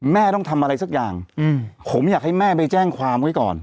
ต้องทำอะไรสักอย่างผมอยากให้แม่ไปแจ้งความไว้ก่อน